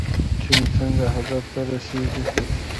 ټیم څنګه هدف ته رسیږي؟